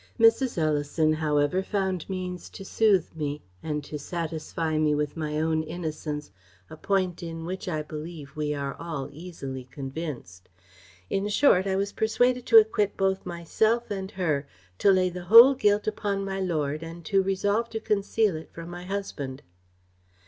"Mrs. Ellison, however, found means to soothe me, and to satisfy me with my own innocence, a point in which, I believe, we are all easily convinced. In short, I was persuaded to acquit both myself and her, to lay the whole guilt upon my lord, and to resolve to conceal it from my husband.